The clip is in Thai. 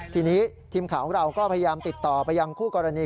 ทีนี้ทีมข่าวของเราก็พยายามติดต่อไปยังคู่กรณี